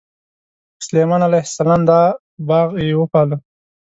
سلیمان علیه السلام دا باغ یې وپاله.